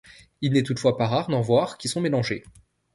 Il n'est toutefois pas rare d'en voir qui sont mélangées.